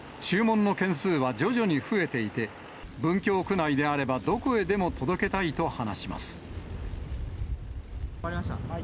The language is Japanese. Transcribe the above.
注文の件数は徐々に増えていて、文京区内であればどこへでも届けたいと話します。